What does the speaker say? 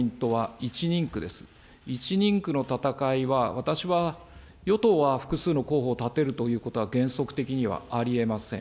１人区の戦いは、私は、与党は複数の候補を立てるということは原則的にはありえません。